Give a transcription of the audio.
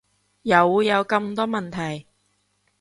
又會有咁多問題